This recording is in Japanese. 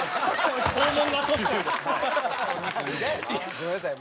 ごめんなさい